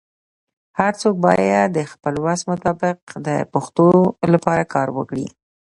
هرڅوک باید د خپل وس مطابق د پښتو لپاره کار وکړي.